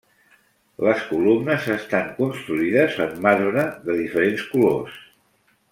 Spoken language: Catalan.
Les columnes estan construïdes en marbre de diferents colors.